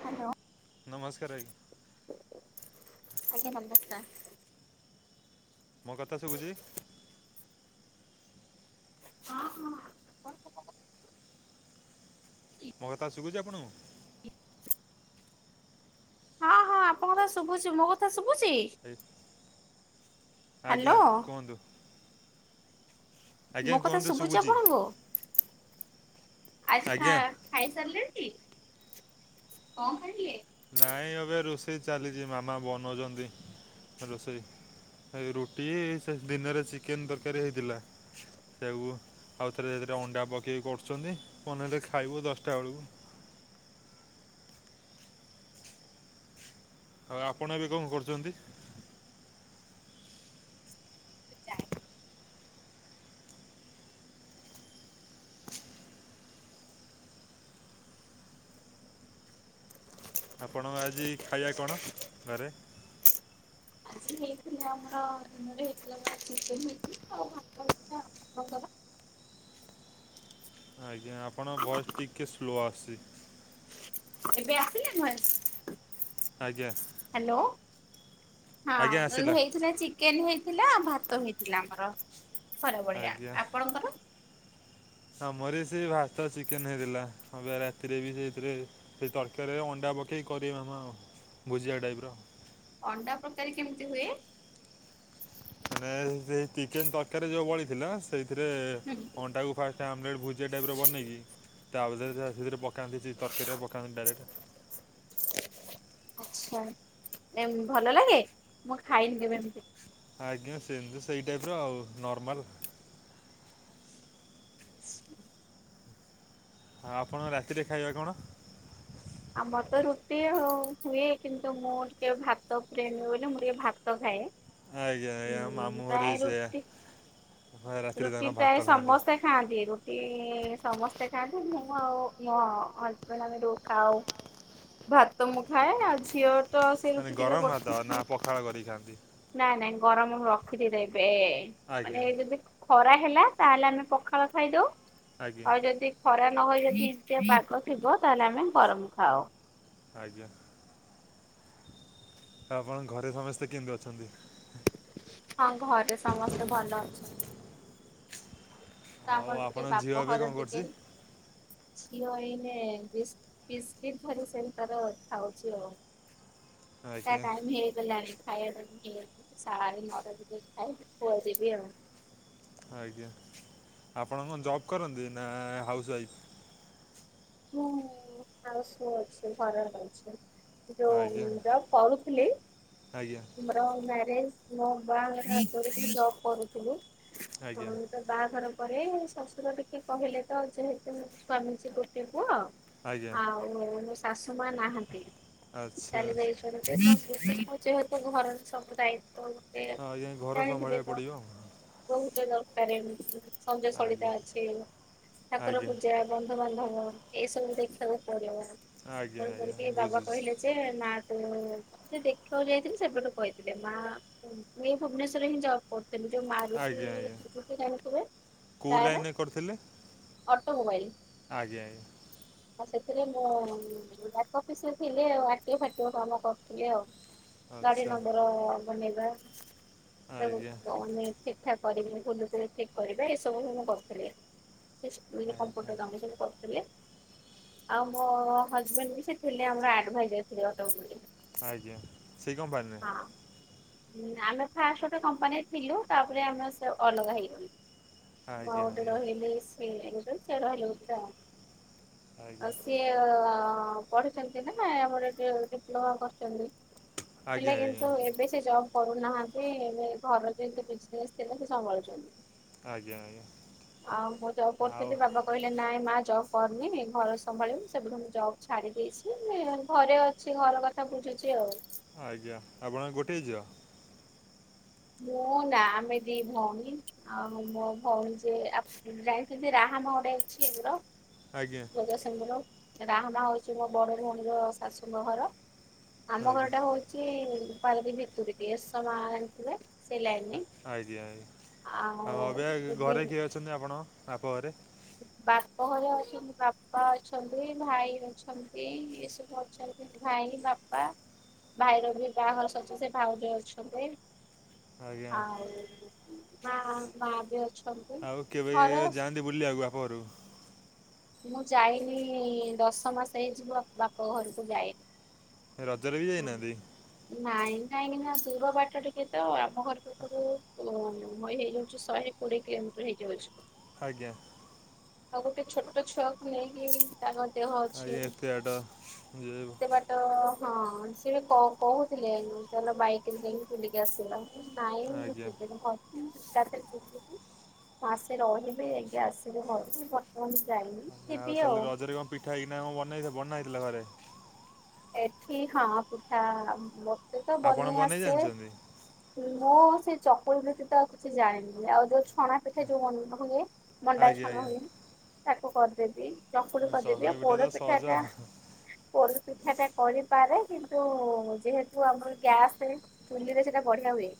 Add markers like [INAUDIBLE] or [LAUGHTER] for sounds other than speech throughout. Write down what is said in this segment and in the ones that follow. Hello. ନମସ୍କାର ଆଜ୍ଞା। ଆଜ୍ଞା ନମସ୍କାର। ମୋ କଥା ଶୁବୁଛି। ହଁ ହଁ। ମୋ କଥା ଶୁବୁଛି ଆପଣଙ୍କୁ? ହଁ ହଁ ଆପଣଙ୍କ କଥା ଶୁଭୁଛି ମୋ କଥା ଶୁଭୁଛି? ଆଜ୍ଞା ହ୍ୟାଲୋ କୁହନ୍ତୁ? ଆଜ୍ଞା ମୋ କଥା କୁହନ୍ତୁ ଶୁଭୁଛି ଆପଣଙ୍କୁ ଆଚ୍ଛା। ଆଜ୍ଞା ଖାଇ ସାରିଲେନି କଣ ଖାଇଲେ? ନାଇଁ ଏବେ ରୋଷେଇ ଚାଲିଛି ମାମା ବନଉଛନ୍ତି। ରୋଷେଇ ରୁଟି ସେ ଦିନରେ ଚିକେନ୍ ତରକାରୀ ହେଇଥିଲା। ତେଣୁ ଆଉ ଥରେ ଦିଟା ଅଣ୍ଡା ପକେଇକି କରୁଛନ୍ତି। କଣ ଗୋଟେ ଖାଇବୁ ଦଶଟା ବେଳକୁ ହଉ ଆପଣ ଏବେ କଣ କରୁଛନ୍ତି? [UNINTELLIGIBLE] ଆପଣ ଆଜି ଖାଇବା କଣ ଘରେ? ଆଜି ହେଇଥିଲା ଆମର ଦିନରେ ହେଇଥିଲା ଚିକେନ ହେଇଥିଲା ଆଉ ଭାତ ହେଇଥିଲା। ଆଜ୍ଞା ଆପଣଙ୍କ ଭଏସ୍ ଟିକଏ ସ୍ଲୋ ଆଶୁଛି। ଏବେ ଆସିଲା ଭଏସ? ଆଜ୍ଞା। ହ୍ୟାଲୋ ହଁ ଆଜ୍ଞା ଆସିଲା ହେଇଥିଲା ଚି ଚିକେନ ହେଇଥିଲା ଆଉ ଭାତ ହେଇଥିଲା ଆମର ଖରା ବଳିଆ ଆଜ୍ଞା ଆପଣଙ୍କର ଆମର ସେଇ ଭାତ ଚିକେନ ହେଇଥିଲା ଏବେ ରାତିରେ ବି ସେଥିରେ ସେ ତରକାରୀରେ ଅଣ୍ଡା ପକେଇକି କରିବେ ମାମା ଆଉ ଭୁଜିଆ ଟାଇପ ର ଅଣ୍ଡା ପକେଇ କେମିତି ହୁଏ? ମାନେ ସେଇ ଚିକେନ ତରକାରୀ ଯୋଉ ବଳିଥିଲା ସେଇଥିରେ ଅଣ୍ଡାକୁ ଫାଷ୍ଟ ସେ ଆମଲେଟ୍ ଭୁଜିଆ ଟାଇପର ବନେଇକି ତା ଭିତରେ ସାଥିରେ ପକାନ୍ତି ସେଇ ତରକାରୀରେ ପକାନ୍ତି ଡାଇରେକ୍ଟ। ଆଛା! ଏମତି ଭଲ ଲାଗେ ମୁଁ ଖାଇନି କେବେ ଏମତି ଆଜ୍ଞା! ସେମିତି ସେଇ ଟାଇପ ର ଆଉ ନର୍ମାଲ ହଁ, ଆପଣ ରାତିରେ ଖାଇବା କଣ? ଆଉ ଆମର ତ ରୁଟି ହୁଏ କିନ୍ତୁ ମୁଁ ଟିକେ ଭାତ ଫ୍ରେଣ୍ଡ ବୋଲି ମୁଁ ଟିକେ ଭାତ ଖାଏ। ଆଜ୍ଞା ଆଜ୍ଞା ହ ମାମୁଁ ଘରେ ପ୍ରାୟ ବି ସେଇଆ ରୁଟି ରାତିରେ ରୁଟି ତାଙ୍କର ଭାତ ପ୍ରାୟ ଖାଆନ୍ତି ସମସ୍ତେ ଖାଆନ୍ତି ରୁଟି ସମସ୍ତେ ଖାଆନ୍ତି ମୁଁ ଆଉ ମୋ ଇଏ ହଜବେଣ୍ଡ ଆମେ ରୁ ଖାଉ ଭାତ ମୁଁ ଖାଏ ଆଉ ଝିଅ ତ ସେଇ ମାନେ ରୁଟି ଟିକେ ଗରମ ଭାତ କରିଥାଏ ନା ଖାଉ ପଖାଳ କରିକି ଖାଆନ୍ତି ନାଇଁ ନାଇଁ ଗରମ ରଖିଦେଇଥାଏ। ଏବେ ମାନେ ଆଜ୍ଞା ହେଇ ଖରା ହେଲା ତାହେଲେ ଆମେ ପଖାଳ ଖାଇଦଉ ଆଜ୍ଞା ଆଉ ଯଦି ଖରା ନହଇ ଯଦି ପାଗ ଥିବ ତାହେଲେ ଆମେ ଗରମ ଖାଉ। ଆଜ୍ଞା। ଆପଣଙ୍କ ଘରେ ସମସ୍ତେ କେମିତି ଅଛନ୍ତି? ହଁ ଘରେ ସମସ୍ତେ ଭଲ ଅଛି। ତ ଆଉ ଆମର ଟିକେ ଆପଣଙ୍କ ଝିଅ ଏବେ ବାପଘରେ କଣ ଟିକେ କରୁଛି? ଝିଅ ଏଇନେ ବିିସ୍କିଟ ଧରି ସେ ତାର ଖାଉଛି ଆଉ ତା ଆଜ୍ଞା ଟାଇମ ହେଇଗଲାଣି। ଖାଇବା ନ [INAUDIBLE] ଖାଏ ଯିବି ଆଉ ଆଜ୍ଞା! ଆପଣ କଣ ଜବ୍ କରନ୍ତି ନା ହାଉସୱାଇଫ୍? ମୁଁ ହାଉସୱାଇଫ ଅଛି ଘରେ ଅଛି। ଯୋଉ ଆଜ୍ଞା ଜବ କରୁଥିଲି। ଆଜ୍ଞା ମ୍ୟାରେଜ ମୁଁ ବାହାହେଲାପରେ ବି ଜବ କରୁଥିଲି। ଆଜ୍ଞା ତ ବାହାଘର ପରେ ଶଶୁର ଟିକେ କହିଲେ ତ ଯେହେତୁ ମୋ ସ୍ଵାମୀ ଯିଏ ଗୋଟେ ପୁଅ ଆଜ୍ଞା ଆଉ ମୋ ଶାଶୁ ମା ନାହାନ୍ତି। ଆଚ୍ଛା ଆଚ୍ଛା। ଚାଲି ଯାଇଛ ଯେହେତୁ ଘରର ସବୁ ଦାୟିତ୍ବ ହ ଆଜ୍ଞା ଘର ସମ୍ଭାଳିବାକୁ ପଡ଼ିବ। ବହୁତ ଦରକାର ସଞ୍ଜ ଆଜ୍ଞା ସଳିତା ଅଛି ଠାକୁର ଆଜ୍ଞା ପୂଜା ବନ୍ଧୁ ବାନ୍ଧବ ଏଇ ସବୁ ଦେଖିବାକୁ ପଡିବ ଆଜ୍ଞା ତେଣୁ ଆଜ୍ଞା କରିକି ବାବା ବୁଝୁଛି କହିଲେ ଯେ ମା ତୁ ସେ ଦେଖିବାକୁ ଯାଇଥିଲି ସେବେଠୁ କହିଥିଲେ ମା ମୁଁ ଏଇ ଭୁବନେଶ୍ଵରେ ହିଁ ଜବ କରୁଚି। ଏବେ ଯୋଉ ଆଜ୍ଞା ମାରୁତି ଆଜ୍ଞା। ସୁଜୁକି ଜାଣିଥିବେ କୋଉ କାର। ଲାଇନରେ କରିଥିଲେ? ଅଟୋମୋବାଇଲ। ଆଜ୍ଞା ଆଜ୍ଞା। ଆଉ ସେଥିରେ ମୁଁ [INAUDIBLE] ଅଫିସରେ ଥିଲି ଆଉ ଆରଟିଓ ଫାରଟିିଓ କାମ କରୁଥିଲି ଆଉ। ଗାଡି ଆଚ୍ଛା ନମ୍ବର ବନେଇଵା। ଆଜ୍ଞା ଠିକ୍ ଠାକ କରିବି ଭୁଲଥିଲେ ଠିକ୍ କରିବା ଏସବୁ ବି ମୁଁ କରିଥିଲି। ସେ ସ୍କୁଲରେ ଆଜ୍ଞା। କମ୍ପୁଟର କାମ ସବୁ କରୁଥିଲି। ଆଉ ମୋ ହଜବେଣ୍ଡ ବି ସେ ଥିଲେ ଆମର ଆଡଭାଇଜର ଥିଲେ ଅଟୋ ମୋବାଇଲ ରେ। ଆଜ୍ଞା ସେଇ କମ୍ପାନୀରେ? ହଁ। ହୁଁ ଆମେ ଫାଷ୍ଟ ଗୋଟେ କମ୍ପାନୀରେ ଥିଲୁ ତାପରେ ଆମେ ସେ ଅଲଗା ହେଇଗଲୁ। ମୁଁ ଆଉ ଆଜ୍ଞା ଗୋଟେ ଆଜ୍ଞା ରହିଲି ସି ଏମ୍ସରେ ସେ ରହିଲେ [UNINTELLIGIBLE] ଆଜ୍ଞା ଆଉ ସିଏ ପଢିଛନ୍ତି ନା ଆମର ଡିପ୍ଲୋମା କରିଚନ୍ତି। ଆଜ୍ଞା ହେଲା ଆଜ୍ଞା। କିନ୍ତୁ ଏଵେ ସେ ଜବ କରୁନାହାନ୍ତି ଏଵେ ଘରର ଏମିତି ବିଜିନେସ ଥିଲା ସେ ସମ୍ଭାଳୁଛନ୍ତି। ଆଜ୍ଞା ଆଜ୍ଞା ଆଉ ମୁଁ ଜବ ଆଉ କରୁଥିଲି ବାବା କହିଲେ ନାଇଁ ମା ଜବ କରନି ଘର ସମ୍ଭାଳିବୁ ସେଠୁ ମୁଁ ଜବ୍ ଛାଡି ଦେଇଛି ଘରେ ଅଛି ଘର କ କଥା ବୁଝୁଛି ଆଉ। ଆଜ୍ଞା ଆପଣ ଗୋଟେ ଝିଅ? ମୁଁ ନା ଆମେ ଦି ଭଉଣୀ ଆଉ ମୋ ଭଉଣୀ ଜିଏ ଯାଇଥିଲି ରାହାମା ଗୁଟେ ଅଛି [INAUDIBLE] ଆଜ୍ଞା। ଜଗତସିଂହପୁର ରାହାମା ହଉଛି ମୋ ବଡ ଭଉଣୀର ଶାଶୁଙ୍କ ଘର। ଆମ ଆଜ୍ଞା ଘରଟା ହଉଚି ପାରାଦ୍ୱୀପ ଭିତୁର ଟିକେ ଏସମା ଯାଣିଥିଵେ? ଆଜ୍ଞା ଆଜ୍ଞା ହଁ ଅବିକା ଆଉ ଘରେ କିଏ ଅଛନ୍ତି ଆପଣଙ୍କ ବାପ ଘରେ? ବାପ ଘରେ ଅଛନ୍ତି ବାପା ଅଛନ୍ତି ଭାଇ ଅଛନ୍ତି ଏସବୁ ଅଛନ୍ତି। ଭାଇ ବାପା ଭାଇର ବି ବାହାଘର ସରିଚି ସେ ଭାଉଜ ଅଛନ୍ତି। ଆଜ୍ଞା ଆଉ ମା ମା ବି ଅଛନ୍ତି। ଆଉ କେବେ ଘରେ ଯାଆନ୍ତି ବୁଲିଵାକୁ ବାପ ଘରୁକୁ? ମୁଁ ଯାଇନି ଦଶ ମାସ ହେଇଯିବ ବାପ ଘରକୁ ଯାଇନି। ରଜର ବି ଯାଇ ନାହାଁନ୍ତି? ନାଇଁ କାହିଁକିନା ଦୁର ବାଟ ଟିକେ ତ ଆମ ଘରଠୁ ଏପଟୁ ତୋ ହୋଇ ହେଇଯାଉଚି ଶହେ କୋଡିଏ କିଲୋମିଟର ହେଇଯାଉଛି। ଆଜ୍ଞା। ଆଉ ଗୋଟେ ଛୋଟ ଛୁଆକୁ ନେଇକି ତାଙ୍କ ଦେହ ଅଛି ଆଜ୍ଞା ଏତେ ବାଟ ଯେ ଏତେ ବାଟ ଟ ହଁ ସିଏ କ କହୁଥିଲେ ଚାଲ ବାଇକିରେ ଯାଇଁକି ବୁଲିକି ଆସିଵା। ନାଇଁ ମୁଁ ଆଜ୍ଞା ଯିବିନି [UNINTELLIGIBLE] ମାସେ ରହିବି ଯାଇକି ଆସିବି। କହିଲେ ହଉ ମୂଁ ବର୍ତ୍ତମାନ ଯାଇନି ଆଜ୍ଞା ଯିବି ତାହେଲେ ଆଉ। ରଜରେ କଣ ପିଠା ହେଇକିନା କଣ ବନା ହେଇଥିଲା ବନାହେଇ ଥିଲା ଘରେ? ଏଠି ହଁ ପିଠା ମତେ ତ ଆପଣ ବନେଇ ଆସେ। ଜାଣିଛନ୍ତି ମୁଁ ସେଇ ଚକୁଳିବ୍ୟତିତ ଆଉ କିଛି ଜାଣିନି ଆଉ ଯୋଉ ଛଣା ପିଠା ଯୋଉ ହୁଏ ମଣ୍ଡା ଆଜ୍ଞା ଛଣା ଆଜ୍ଞା ହୁଏ ତାକୁ କରିଦେବି। ଚକୁଳି କରିଦେବି ଆଉ ପିଠା ତ ପୋଡ ସହଜ ପିଠାଟା ପୋଡ ପିଠାଟା କରିପାରେ କିନ୍ତୁ ଯେହେତୁ ଆମର ଗ୍ୟାସ ଚୁଲିରେ ସେଟା ବଢିଆ ହୁଏ।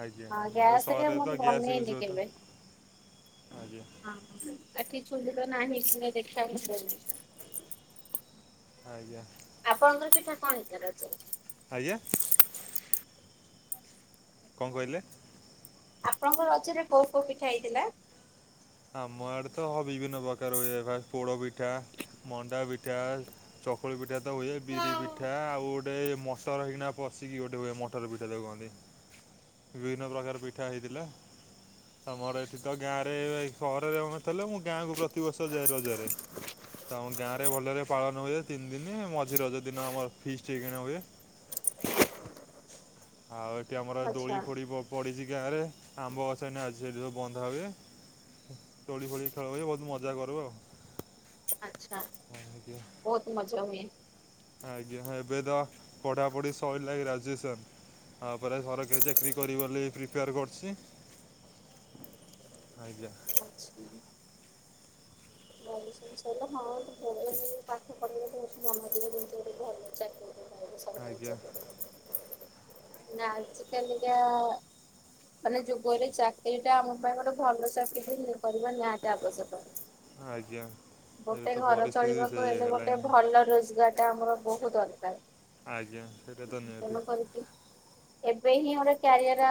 ଆଜ୍ଞା ହଁ ଗ୍ୟାସରେ ସହରରେ ମୁଁ ତ ଗ୍ୟାସ୍ ବନେଇ ୟୁଜ୍ ନି ହୁଏ ତ କେବେ। ଆଜ୍ଞା ଏଠି ଚୁଲି ତ ନାହିଁ [UNINTELLIGIBLE] ଆଜ୍ଞା। ଆପଣଙ୍କର ପିଠା କଣ ହେଇଥିଲା ରଜକୁ? ଆଜ୍ଞା। କଣ କହିଲେ? ଆପଣଙ୍କ ରଜରେ କୋଉ କୋଉ ପିଠା ହେଇଥିଲା? ଆମ ଆଡ଼େ ତ ବିଭିନ୍ନ ପ୍ରକାର ହୋଇଥାଏ ପୋଡ଼ ପିଠା, ମଣ୍ଡା ପିଠା। ଚକୁଳି ପିଠା ତ ହୁଏ ବିରି ପିଠା ଆଚ୍ଛା। ଆଉ ଗୋଟେମସଲା ଦେଇକି ଲାଦେଇକି ମଟର ଦେ ଇକି ମଟର ପିଠା ତାକୁ କୁହନ୍ତି। [INAUDIBLE] ବିଭିନ୍ନ ପ୍ରକାର ପିଠା ହେଇଥିଲା ଆମର ଏଠି ତ ଗାଁରେ ସହରରେ ଆମେ ତେଲେ ମୁଁ ଗାଁକୁ ପ୍ରତିବର୍ଷ ଯାଏ ରଜରେ। ତ ଆମ ଗାଁ ରେ ଭଲରେ ପାଳନ ହୁଏ ତିନି ଦିନ ମଝି ରଜ ଦିନ ଆମର ଫିସ୍ କିଣ ହୁଏ। [UNINTELLIGIBLE] ଆଉ ଏଠି ଆମର ଦୋଳି ଫୋଡିିବ ପଡ଼ିଛି ଗାଁରେ ଆମ୍ବ ଗଛ ଏଇନି ଆଜି ସେଇଠି ସବୁ ବନ୍ଧା ହୁଏ। ଦୋଳି ଫୋଳି ଖେଳ ହୁଏ ବହୁତ ମଜା କରିବ ଆଉ। ଆଛା ଏମିତି ଆଉ। ବହୁତ ମଜା ହୁଏ। ଆଜ୍ଞା ଏବେ ତ ପଢାପଢି ସରିଲା ଗ୍ରାଜୁଏସନ। ହ ପରା ସରକାରୀ ଚାକିରୀ କରିବି ବୋଲି ପ୍ରିପେୟାର୍ କରୁଛି। ଆଜ୍ଞା। [UNINTELLIGIBLE] ସବୁଦିନ ଚାକିରି ଆଜ୍ଞା ନା ଆଜି କାଲିକା ମାନେ ଯୁଗରେ ଚାକିରୀ ଟା ଆମ ପାଇଁ ଗୋଟେ ଭଲ ଚାକିରି ବି କରିବା ନିହାତି ଆବଶ୍ୟକ। ଆଜ୍ଞା। ଏବେ ଗୋଟେ ତ ଘର ପରିସ୍ଥିତି ଚଳିବାକୁ ସେଇ ହେଲେ ଗୋଟେ ହେଲାଣି ଭଲ ରୋଜଗାର ଟା ଆମର ବହୁତ ଦରକାର। ଆଜ୍ଞା ସେଇଟା ତ ନିହାତି। ତେଣୁ କରିକି ଏବେ ହିଁ ଗୋଟେ କ୍ୟାରିୟର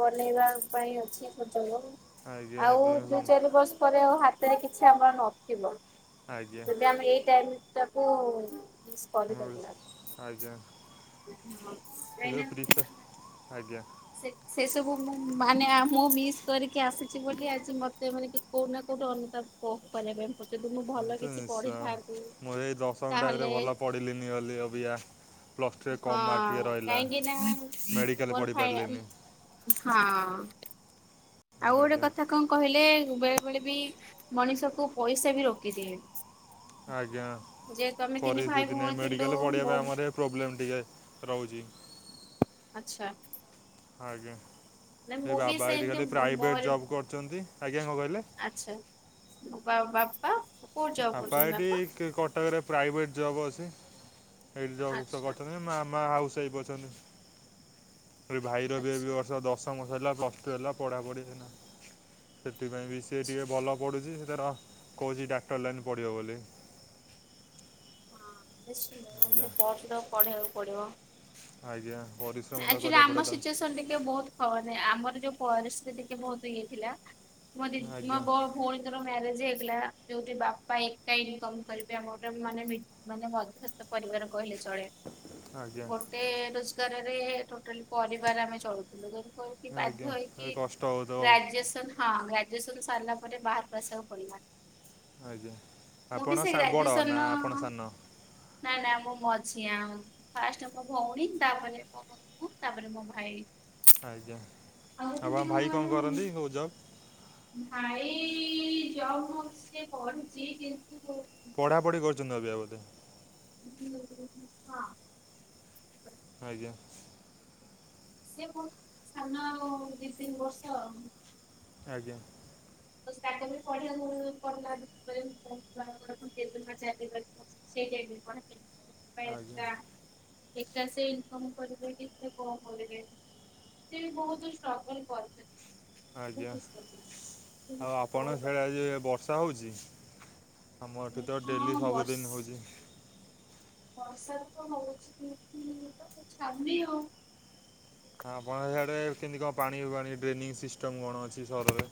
ବନେଇବା ପାଇଁ ଅଛି ସୁଯୋଗ। ଆଜ୍ଞା ଆଉ ଏବେ ଦୁଇ ସମ ଚାରି ବର୍ଷ ପରେ ଆଉ ହାତ ତେ କିଛି ଆମର ନଥିବ ଆଜ୍ଞା ଯଦି ଆମେ ଏଇ ଟାଇମ ଟାକୁ ମିସ ମୁଁ କରିପାରିବା [INAUDIBLE] ଏବେ ପ୍ରିପ୍ରା ଆଜ୍ଞା। ସେ ସବୁ ମୁ ମାନେ ମୁଁ ମିସ୍ କରିକି ଆସିଛି ବୋଲି ଆଜି ମତେ ମାନେ କୋଉଠି ନା କୋଉଠ ଅନୁତାପ କରିବା ପାଇଁ ପଡୁଛି। ଯଦି ମୁଁ ଏ ଭଲ ତ କିଛି ନିଶ୍ଚୟ ପଢିଥାନ୍ତି ମୁଁ ଏଇ ଦଶମ ଟାଇମ୍ରେ ତାହେଲେ ଭଲ ପଢ଼ିଲିନି ବୋଲି ଅବିକା ପ୍ଲସ୍ ଟୁରେ କମ୍ ମାର୍କ ଟିକେ ହଁ ରହିଲା କାହିଁକି ନା ମେଡ଼ିକାଲ୍ ମୋର ପଢ଼ି ହି ପାରିଲିନି ହଁ ଆଉ ଗୋଟେ ଆଜ୍ଞା କଥା କଣ କହିଲେ? ବେଳେ ବେଳେ ବି ମଣିଷକୁ ପଇସା ବି ରୋକିଦିଏ। ଆଜ୍ଞା ଯେହେତୁ ଆମେ ତିନି ଭାଇ ପରିସ୍ଥିତି ଭଉଣୀ ନେଇଁ ଥିଲୁ ମେଡିକାଲ ପଢିଆ ମୋ ପାଇଁ ଆମରେ ପ୍ରୋବ୍ଲେମ୍ ଟିକେ ରହୁଛି। ଆଚ୍ଛା। ଆଜ୍ଞା ନାଇଁ ଏଇ ମୁଁ ବି ବାବା ଏଇଠି ସେମିତି ଖାଲି ମୋର ପ୍ରାଇଭେଟ୍ ଜବ୍ କରୁଛନ୍ତି। ଆଜ୍ଞା କଣ କହିଲେ? ଆଚ୍ଛା ବା ବାପା। କୋଉଠି ଜବ୍ ବାପା କରୁଛନ୍ତି ଏଇଠି କ କଟକରେ ପ୍ରାଇଭେଟ୍ ଜବ୍ ଅଛି ସେଇଠି ଜବ୍ ଆଚ୍ଛା କରିଛନ୍ତି ମାମା ହାଉସ ୱାଇଫ ଅ ଛନ୍ତି ଭାଇର ବି ଏଇ ଆଚ୍ଛା ବର୍ଷ ଦଶ ମ ସରିଲା, ପ୍ଲସଟୁ ହେଲା ପଢାପଢି ହେନା ସେଥିପାଇଁ ବି ସିଏ ଆଚ୍ଛା। ଟିକେ ଭଲ ପଢୁଛି ସେ ତାର କହୁଛି ଡାକ୍ତର ଲାଇନ୍ ପଢ଼ିବ ବୋଲି। ହଁ ନିଶ୍ଚିନ୍ତ ଆଜ୍ଞା ସେ ପଢୁଛି ତ ପଢେଇବାକୁ ପଡିବ। ଆଜ୍ଞା। ପରିଶ୍ରମ ତ ଆକ୍ଚୁଲି କରିବାକୁ ପଡ଼େ ଆମ ତା ସିଚୁଏସନ ଟିକେ ବହୁତ ଘରେ ଆମର ଯୋଉ ପରିସ୍ଥିତି ଟିକେ ବହୁତ ଇଏ ଥିଲା। ମୋ ଦି ମୋ ଆଜ୍ଞା ବୋ ଭୁଲ ଯୋଉଥର ମ୍ୟାର୍ରିଜ ହେଇଥିଲା ଯଉଠି ବାପା ଏକା ଇନକମ କରିବେ ଆମର ମାନେ ମି ମାନେ ମଧ୍ୟ୍ୟସ୍ତ ପରିବାର କହିଲେ ଚଳେ। ଆଜ୍ଞା। ଗୋଟେ ରୋଜଗାରରେ ଟୋଟାଲି ପରିବାର ଆମେ ଚଳୁଥିଲୁୁ ତେଣୁକରି ଆଜ୍ଞା ବାଧ୍ୟ ଏ ହେଇକି କଷ୍ଟ ହେଉଥିବ ଗ୍ରାଜୁଏସନ୍ ହଁ ଗ୍ରାଜ୍ୟୁଏସନ୍ ସରିଲା ପରେ ବାହାରକୁ ଆସିବାକୁ ପଡ଼ିଲା। ଆଜ୍ଞା ଆପଣ ସା ବଡ଼ ଗ୍ରାଜୁଏସନ ନା ଆପଣ ସାନ? ନା ନା ମୁଁ ମଝିଆଁ ଫାଷ୍ଟ ମୋ ଭଉଣୀ ତାପରେ ତାପରେ ମୁଁ ତାପରେ ମୋ ଭାଇ। ଆଜ୍ଞା ଆଉ ଗୋଟେ ଆପଣ ବି ଭାଇ କଣ କହିଲୁ କରନ୍ତି କୋଉ ଜବ୍? ଭାଇ ଜବ୍ କରୁନି ସେ ପଢ଼ୁଛି କିନ୍ତୁ ପଢ଼ାପଢ଼ି କରିଛନ୍ତି ଅବିକା ବୋଧେ? ହୁଁ। ଆଜ୍ଞା। ସିଏ ମୋଠୁ ସାନ ଆଉ ଦି ତିନି ବର୍ଷ ଆଉ। ଆଜ୍ଞା। ବାସ୍ ତାକୁବି ପଢିବାକୁ ପଡିଲା [UNINTELLIGIBLE] ସେ ଆଜ୍ଞା [UNINTELLIGIBLE] ଏକା ସେ ଇନକମ୍ କରିବେ କି ସେ କଣ କରିବେ ସେ ବହୁତ ଷ୍ଟ୍ରଗଲ କରିଛନ୍ତି। ଆଜ୍ଞା। ଆଉ ହଁ ଆପଣଙ୍କ ସିଆଡେ ଆଜି ବର୍ଷା ହଉଛି? ଆମ ଏଠି ତ ଡେଲି ସବୁଦିନ ବର୍ଷ ହଉଛି। ବର୍ଷା ତ ହଉଛି କି ଏଠି ତ ଛାଡ଼ୁନି ଆଉ। ହଁ ଆପଣଙ୍କ ସିଆଡ଼େ କେମିତି କଣ ପାଣି ପାଣି ଡ୍ରେନିଙ୍ଗ ସିଷ୍ଟମ୍ କଣ ଅଛି ସହରରେ?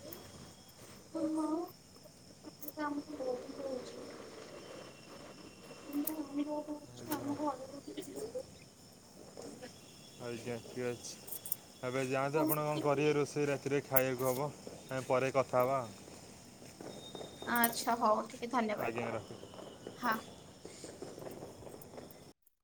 [UNINTELLIGIBLE] [INAUDIBLE] ବି ଆଜ୍ଞା ଠିକ୍ ଅଛି। ଏବେ ଯାଆନ୍ତୁ ଆପଣ କଣ କରିବେ ରୋଷେଇ ରାତିରେ ଖାଇବାକୁ ହେବ ଆମେ ପରେ କଥା ହେବା। ଆଚ୍ଛା ହଉ ଠିକ ଧନ୍ୟବାଦ ଆଜ୍ଞା ରଖ ହଁ।